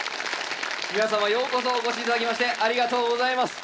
皆様ようこそお越し頂きましてありがとうございます。